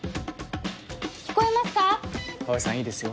聞こえますか？